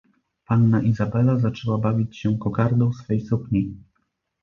"Panna Izabela zaczęła bawić się kokardą swej sukni."